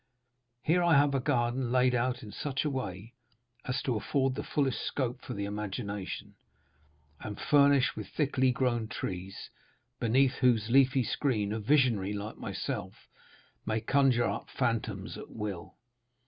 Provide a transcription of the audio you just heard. Here I have a garden laid out in such a way as to afford the fullest scope for the imagination, and furnished with thickly grown trees, beneath whose leafy screen a visionary like myself may conjure up phantoms at will.